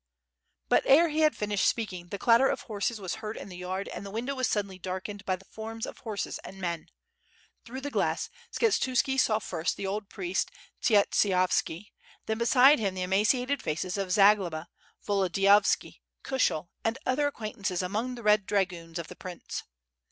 But ere he had finished speaking the clatter of horses was heard in the yard and the window was suddenly darkened by the forms of horses and men. Through the glass Skshe tuski saw first the old priest Tsietsishovski, then beside him the emaciated faces of Zagloba, Volodiyovski, Kushel, and other acquaintances among the red dragoons of the prince.